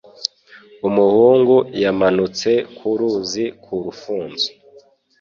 Umuhungu yamanutse ku ruzi ku rufunzo.